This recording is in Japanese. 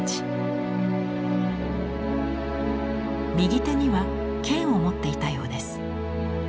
右手には剣を持っていたようです。